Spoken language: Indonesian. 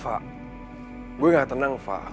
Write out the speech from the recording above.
fah gue gak tenang fah